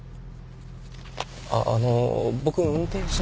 あっあのう僕運転しな。